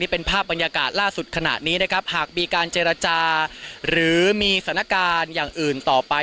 เป็นภาพบรรยากาศล่าสุดขณะนี้นะครับหากมีการเจรจาหรือมีสถานการณ์อย่างอื่นต่อไป